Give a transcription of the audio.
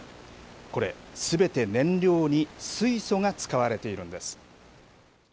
これ、すべて燃料に水素が使われているんです。